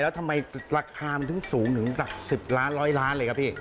แล้วทำไมราคามันถึงสูงถึงหลัก๑๐ล้านร้อยล้านเลยครับพี่